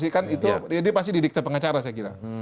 ini pasti didiktir pengacara saya kira